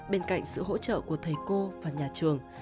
bên cạnh sự hỗ trợ của thầy cô và nhà trường